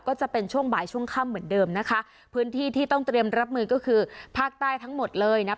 ก็จะเป็นช่วงบ่ายช่วงค่ำเหมือนเดิมนะคะพื้นที่ที่ต้องเตรียมรับมือก็คือภาคใต้ทั้งหมดเลยนะ